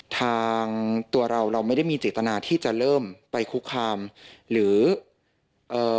ทางตัวเราเราไม่ได้มีเจตนาที่จะเริ่มไปคุกคามหรือเอ่อ